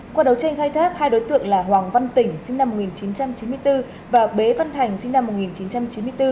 qua đấu tranh khai thác hai đối tượng là hoàng văn tỉnh sinh năm một nghìn chín trăm chín mươi bốn và bế văn thành sinh năm một nghìn chín trăm chín mươi bốn